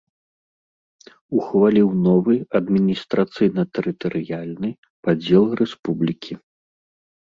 Ухваліў новы адміністрацыйна-тэрытарыяльны падзел рэспублікі.